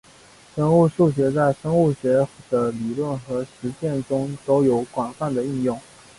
生物数学在生物学的理论和实践中都有广泛的应用。